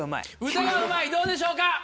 歌がうまいどうでしょうか？